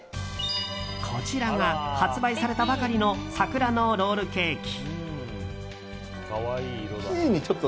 こちらが発売されたばかりの桜のロールケーキ。